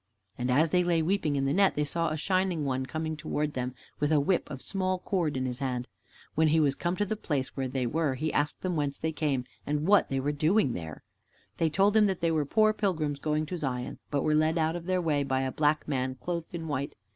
And as they lay weeping in the net, they saw a Shining One coming toward them with a whip of small cord in his hand. When he was come to the place where they were, he asked them whence they came, and what they were doing there. They told him that they were poor pilgrims going to Zion, but were led out of their way by a black man clothed in white.